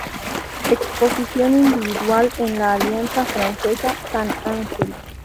Exposición Individual en la Alianza Francesa, San Ángel.